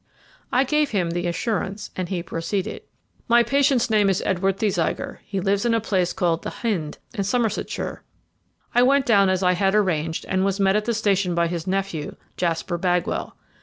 I gave him the assurance, and he proceeded: "My patient's name is Edward Thesiger; he lives in a place called The Hynde, in Somersetshire. I went down as I had arranged, and was met at the station by his nephew, Jasper Bagwell.